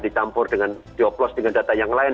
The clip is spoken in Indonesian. dicampur dengan dioplos dengan data yang lain